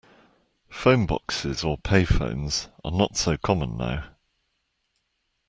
Phone boxes or payphones are not so common now